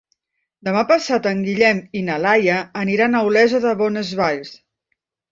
Demà passat en Guillem i na Laia aniran a Olesa de Bonesvalls.